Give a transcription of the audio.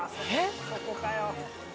そこかよ。